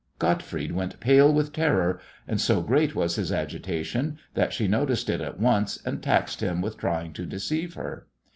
Gottfried went pale with terror, and so great was his agitation that she noticed it at once, and taxed him with trying to deceive her.